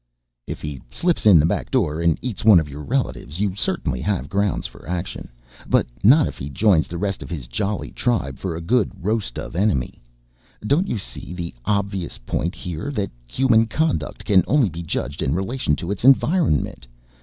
"If he slips in the back door and eats one of your relatives, you certainly have grounds for action. But not if he joins the rest of his jolly tribe for a good roast of enemy. Don't you see the obvious point here that human conduct can only be judged in relation to its environment?